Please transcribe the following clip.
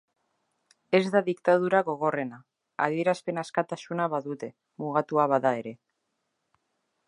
Ez da diktadura gogorrena, adierazpen askatasuna badute, mugatua bada ere.